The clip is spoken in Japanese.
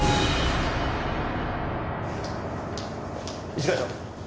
一課長。